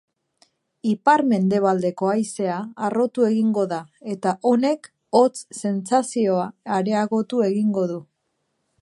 Ipar-mendebaldeko haizea harrotu egingo da eta honek hotz sentsazioa areagotu egingo du.